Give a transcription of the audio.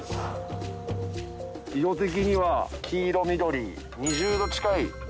色的には黄色緑２０℃近い。